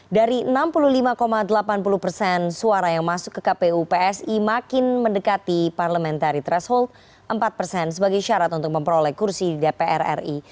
dari enam puluh lima delapan puluh persen suara yang masuk ke kpu psi makin mendekati parliamentary threshold empat persen sebagai syarat untuk memperoleh kursi di dpr ri